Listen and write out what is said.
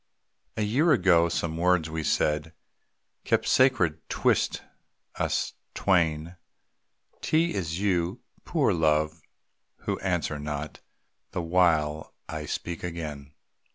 A year ago some words we said Kept sacred 'twixt us twain, 'T is you, poor Love, who answer not, The while I speak again.